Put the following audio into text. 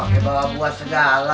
oke bawa buah segala